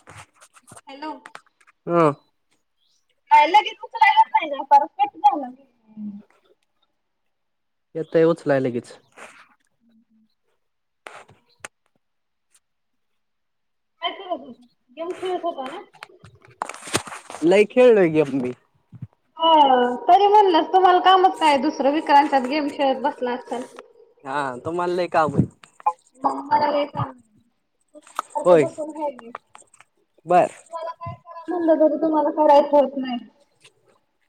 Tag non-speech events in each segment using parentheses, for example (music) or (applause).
(unintelligible) Hello, हा हं लगीच उचलायला पाहिजे होता कट झाला की येतेय उचलायल लगीच (inaudible) (unintelligible) कशाला घेऊन घेऊन शिरत होता ना लय खेळोय गेम मी ह तरी म्हणलस तुम्हाला कामच काय दुसरं विक्रांच्यात गेम खेळत बसला असाल. हा तुम्हाला लय कामं येत. मंग मला लय कामं हाय सारखी होय बसून हाय मी बर म्हणलं तरी तुम्हाला करायत होत नाय.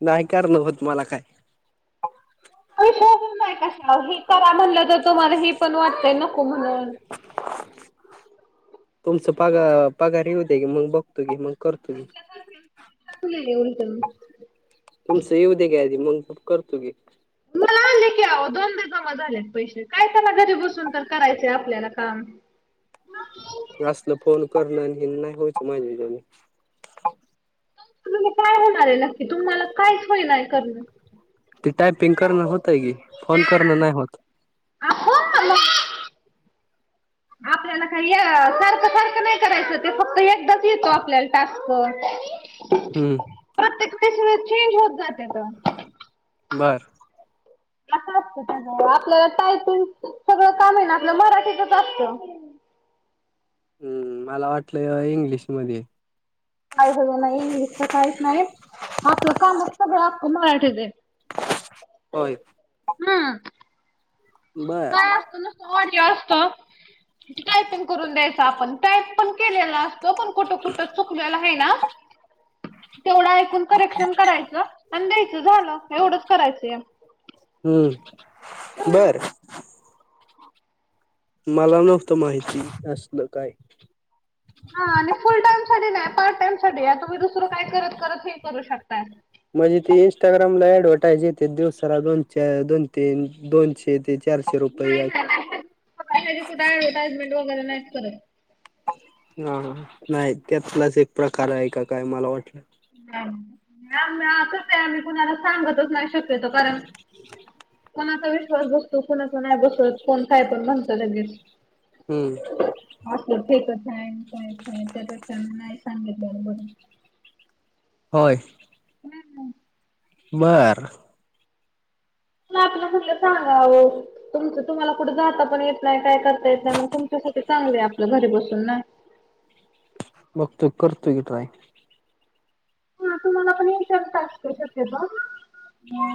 नाय काढणं होत मला काय पैशा अभव नाय कशाला हे करा म्हणलं तर तुम्हाला हे पण वाटतय नको म्हणून पैस पग पगार येऊ दे की मंग बघतो की मंग करतो की तुले येईन त मी तुमचं येऊ दया की आधी मंग करतो गी मला आले. की आहो दोनदा जमा झालेत पैसे काय त्याला घरी बसून तर करायचय आपल्याला काम (unintelligible) हे असलं फोन करणं आण हेनं नाय होयचं माझ्याच्यांनी तुम्हाला काय होणार ये नक्की तुम्हाला काहीच होईनाय करणं ते टायपिंग करणं होतय की फोन करणं नाय होत. आहो आ आपल्याला काय य सारखं सारखं नाय करायच ते फक्त एकदाच येतो आपल्याला टास्क हम्म प्रत्येक वेस चेंज होत जाते तर. बरं. असं असतं अस आपल्याला टायटिंग सगळं काम आहे ना आपलं मराठीतच असतं. हम्म मला वाटलंय इंग्लिश मध्ये काजं नाही इंग्लिशच काहीच नाही आपलं काम सगळंकं मराठीच होय. हम्म बर काय असत नुसत ऑडिओ असत. टायपिंग करून द्यायच आपण टाइप पण केलेला असतो पण कुठं कुठं चुकलेला आहे ना, तेवढं ऐकून करेक्शन करायचं आणि द्यायचं झालं एवढंच करायचं यात. हम्म बरं. मला नव्हतं माहिती असल काय. हा आणि फुल टाइम साठी नाही पार्ट टाइम साठी आहे तुम्ही दुसरं काय करत करत हे करू शकता. म्हणजे ती इं्स्टाग्रामला ऍडव्हर्टाईज येते दिवसाला दोन दोन तीन दोन येते चारशे नाही रुपये टाजमेंट वगैेरे नाहीत करत. हा नाही त्यातलाच एक प्रकार आहे का काय मला वाटलं. कस आहे आम्ही कुणाला सांगतच नाही शक्यतो कारण कोणाचा विश्वास बसतो कोणाचा नाही बसत कोण काय तर म्हणत लगेच हम्म. अस कच (unintelligible) कायच आहे त्यापेक्षा नाही सांगितलं बर. होय. हम्. बर. त आपलं म्हलं सांगावं. तुमच तुम्हाला कुठं जाता पण येत नाही काय करता येत नाही मग तुमच्यासाठी चांगले आहे आपलं घरी बसून ना. बघतो करतोकी ट्राय हा तुम्हाला पण एक च टास्क शक्यतो. ह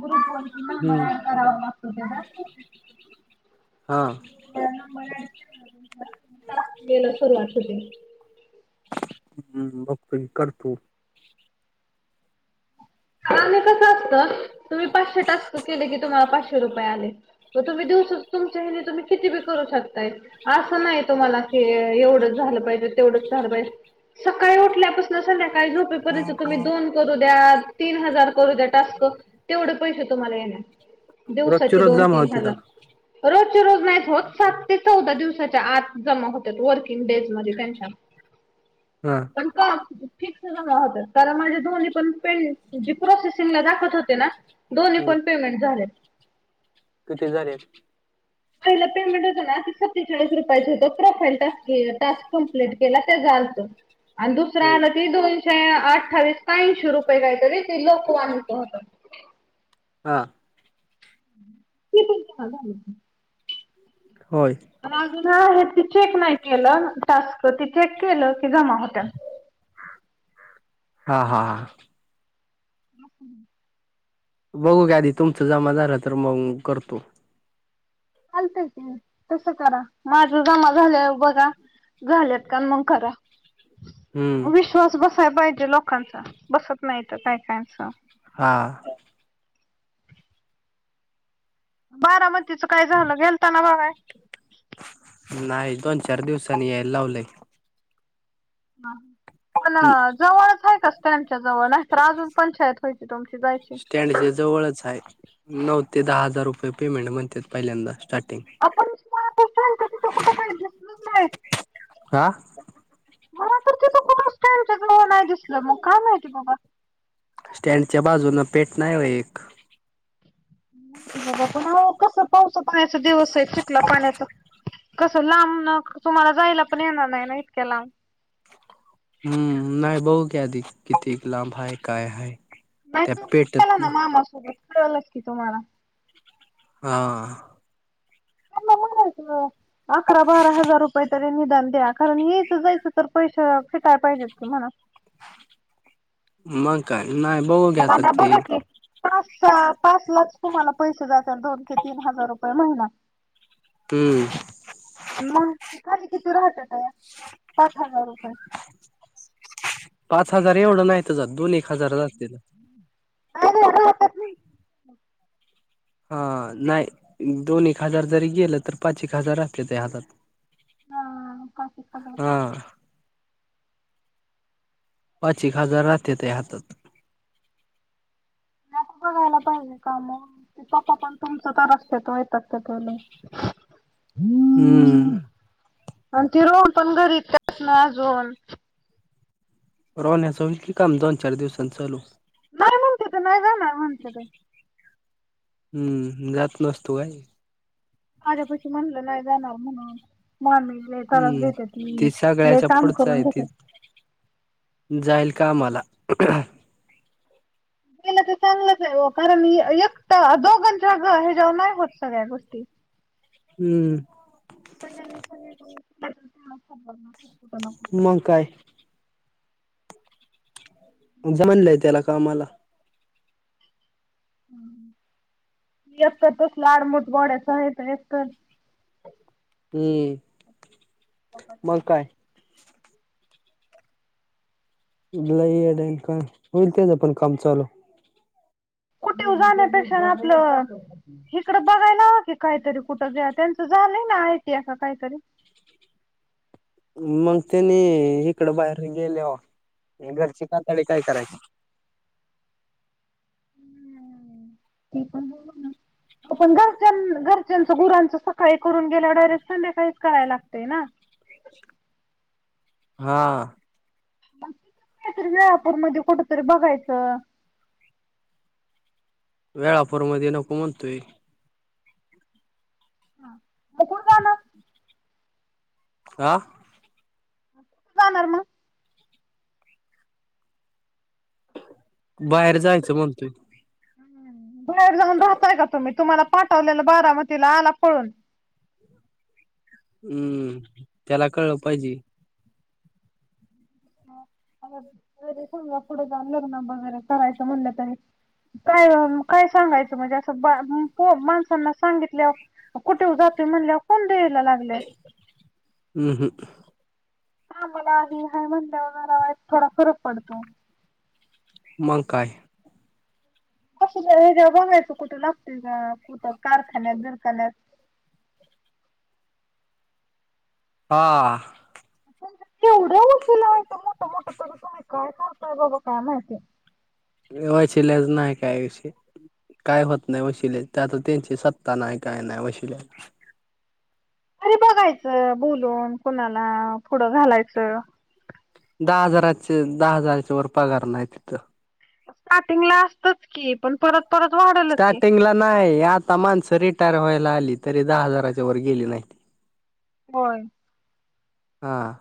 गुरुवर अ हम्म. नंबर ऍड करावा लागतो तेवढं.. हा. नंबर ऍड केला ना तुमचा टास्क दयायला सुरुवात होती. हम्म बगतो की करतो. कसं असतं तुम्ही पाचशे टास्त केले की तुम्हाला पाचशे रुपये आले. व तुम्ही दिवसच तुमच्याही तुम्ही किती बी करू शकताय. असं नाही तुम्हाला की एवढंच झालं पाहिजे तेवढंच झालं पाहिजे. सकाळी उठल्यापासून संध्याकाळी झोपेपर्यंत तुम्ही दोन करू द्यात. तीन हजार करू द्या टस्क तेवढे पैसे तुम्हाला येणार. रोजची दिवसाचे रोज दोन जमा तीन होते का? हजार रोजचे रोज नाही होत सात ते चौदा दिवसाच्या आत जमा होतात वर्किंग डेज मध्ये त्यांच्या हम. पण का फिक्स जमा होतात कारण माझ्या दो्न्ही पण पेडले. ज प्रोसेसिंगला दाखत होते ना दोन्ही हम्म पण पेमेंट झाले. किती झालेत. पहिला पेमेंट होत ना सत्तेचाळीस रुपयाच होतो प्रोफाईल ट टास्क कमप्लीट केला त्याचा होत. आणि दुसर हम्म. आलं ती दोनशे अठ्ठावीस का ऐंशी रुपये काहीतरी ती लोकवानीच होत. हां. ते पण जमा झाले. होय. अजून आहे ती चेक नाही केलं टास्क ती चेक केलं की जमा होत (unintelligible) हा हा हा (unintelligible) ह बघू गडी तुमचं जमा झाला तर मग करतो (unintelligible) हा चालतय तसं करा माझ जमा झाल्यावर बघा (unintelligible) झाल्यात का अन् मग करा हम्म विश (unintelligible) तोच बसायला पाहिजे लोकांचा बसत नाही तर काय कायांचा (unintelligible) हां (unintelligible) बारामतीच काय झालं गेलताना बघाय (unintelligible) नाही दोन चार दिवसांनी यायला लावलय (unintelligible) हा पण जवळच आहे का स्टॅन्डच्या जवळ नाहीतर अजून पंचाईत (unintelligible) पैसे तुमचे जायचे (unintelligible) स्टँडच्या जवळच आहे नऊ ते दहा हजार रुपये पेमेंट म्हणतात पहिल्यांदा स्टार्ट (unintelligible) आपण स्टॅन्डच्या तिथे कुठे काय दिसलंच नाही हा. (unintelligible) मला तर तिथं कुठं स्टॅन्डच्या जवळ नाही दिसल मग काय माहिती बाबा (unintelligible) स्टँडच्या बाजून पेट नाही होय एक (unintelligible) नाही माहिती बाबा पण म्हणलं कस पावसा पाण्याच दिवस आहेत चिखला पाण्याचं (unintelligible) कसं लांबन तुम्हाला जायला पण येणार नाही ना इतक्या लांब (unintelligible) हम्म नाही बघु की आधी किती लांब आहे काय आहे (unintelligible) नाही तुम्ही बी चला ना मामा सोबत कळलंच की तुम्हाला (unintelligible) हा (unintelligible) त्यांनला म्हणायच अकरा बारा हजार रुपये तरी निदान द्या कारण यायचं जायचं तर पैसे (unintelligible) पैसे फिटयला पाहिजेत की म्हणाव (unintelligible) मग काय नाही (unintelligible) बघा ते बघा की (unintelligible) पाच सहा पाच लाच तुम्हाला पैसे जातील दोन ते तीन हजार रुपये महिना (unintelligible) ते (unintelligible) आणि मग ते खाली किती राहत्यात पाच हजार रुपये (unintelligible) पाच हजार एवढं नाहीत जात दोन एक हजार जातील (unintelligible) पण एवढं होत्यात (unintelligible) हा नाही दोन एक हजार जरी गेलं तर पाच एक हजार राहत्यात हातात (unintelligible) हा पाच एक हजार राहत्याती (unintelligible) हा पाच एक हजार राहत्यातीय हातात (unintelligible) त्यात बघायला पाहिजे कामं (unintelligible) (unintelligible) (unintelligible) हम्म (unintelligible) आणि ती रोहन पण घरी देत नाही अजून (unintelligible) रोहण्याच होईल की काम दोन चार दिवसां चालू (unintelligible) नाही म्हणत्यात नाही जाणार म्हणत्यात (unintelligible) हम्म मी जात नसतो काय (unintelligible) आज्या पशी म्हणलं नाही जाणार म्हणून मामी (unintelligible) लय त्रास हम्म देत्याती ती लय सगळ्याच्या काम पुढच करून आहे ती घेत्याती (unintelligible) जाईल कामाला (unintelligible) झालं तर चांगलंच आहे हो कारण एकट दोघांच्या ह्याच्यावर नाही होत सगळ्या गोष्टी हम्म (unintelligible) सगळ्यांनी स कुठं ना कुठं (unintelligible) शुकाय (unintelligible) म्हनलंय त्याला कामाला (unintelligible) हं एक तर तसलं अडमुट बोड्याच आहे एक तर (unintelligible) ते (unintelligible) (unintelligible) (unintelligible) ते लय येडं हाय का होईल तेच पण काम चालू स्कुटीवर जाण्यापेक्षा ना आपलं इकडं बघायला लावा की काहीतरी कुठं ब्या त्यांचं झालंय ना आयटी का काहीतरी मग तेनी इकड बाहेर गेले हो घरची काताडी काय करायची ते पणण घरच्या घरच्यां स गुरांचं सकाळी करून गेल्या डायरे संध्याकाळी कराय लागते ना हा काहीतरी नाळा आपूण मध्ये कुठ तरी बघायचं वेळापूर मध्ये नको म्हणतोय हा कोठ का ना आह कुठं जाणार मग बाहेर जायचं म्हणतोय बाहेर जाऊन राहताय का तुम्ही तुम्हाला पाठवलेलं बारामतीला आला पळून हम्म त्याला कळलं पाहिजे रे समजा पुढे जान लग्न वगैरे करायचं म्हणलं तरी काय काय सांगायचं म्हणजे असं माणसांना सांगितल्या कुठे जाते म्हणल्या कोण द्या यायला लागले हम् हम् हा मला आ हय म्हणल्यावर मला वा थोडा फरक पडतो मांकाय क हे जे बघायचं कुठं लागते का कुठं कारखान्यात दरखान्यात हा णवढ का काम यचे लज नाही कायचे काय होत नाही वशिले त्यात त्यांची सत्ता नाही काय नाही वशिले अरे बघायचं बोलून कुणाला पुढं घालायचं दहा हजाराचे दहा हजाराच्या वर पगार नाही तिथं स्टार्टिंग ला असतच की पण परत परत वाढलच की. स्टार्टिंगला नाही आता माणसं रिटायर व्हायला आली तरी दहा हजाराच्या वर गेली नाही हो हां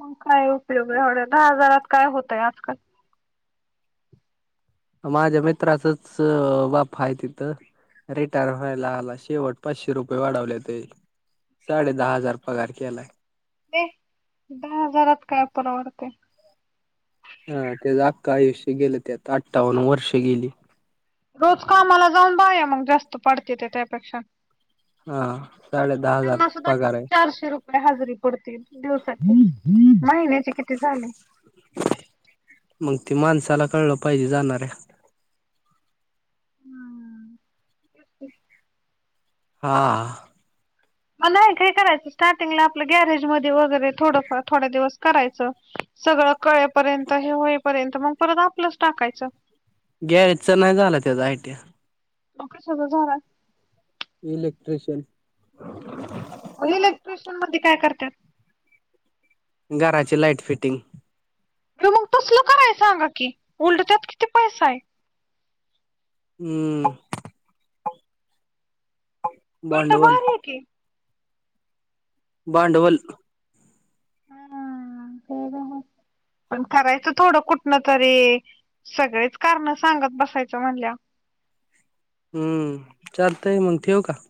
मग काय उपयोग एवढ दहा हजारात काय होतय आजकाल माझ्या मित्राचच बापपा आहे तिथं रेटायर व्हायला हला शेवट पाचशे रुपये वाढवले ते साडे दहा हजार पगार केलाय दे दहा हजारात काय परण आवडते हा तेच आख्खं आयुष्य गेलं त्यात अठवन्न वर्ष गेली रोज कामाला जाऊन बाया मग जास्त पडते ते त्यापेक्षा हा साडे दहा हजार पगार आहे आप हजरी पडते दिवसाची महिन्याचे किती झाले मग ते माणसाला कळलं पाहिजे जाणार आहे हम्म हां मग नाही काही करायचं स्टार्टिंगला आपलं गॅरेज ममध्ये वगैरे थोडं थोडा दिवस करायचं सगळं कळेपर्यंत हे होईपर्यंत मग परत आपलंच टाकायचं गॅरेजच नाही झालं त्याचा आयटी लोक स झाला इलेक्ट्रिशियन इलेक्ट्रिशियन मध्ये काय करतात. घराची लाईट फिटिंग. मग तसल कराय सांगा की उलट त्यात किती पैसा आहे. हम्म. उलट भांडवल भारी आहे की, भांडवल ह हा ना ते पण करायचं थोडं कुठन तरी. सगळेच कारण सांगत बसायच म्हणल्या. हम्म चालतय मग ठेवू का?